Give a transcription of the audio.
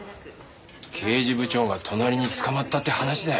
刑事部長が隣に捕まったって話だよ。